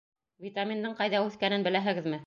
Витаминдың ҡайҙа үҫкәнен беләһегеҙме?